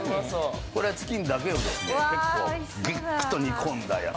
これはチキンだけをですね結構グッと煮込んだやつ。